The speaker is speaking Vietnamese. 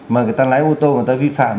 mà người ta lái ô tô người ta vi phạm